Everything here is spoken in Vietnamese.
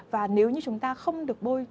và nếu như chúng ta không được bôi